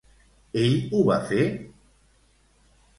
Ell ho va fer?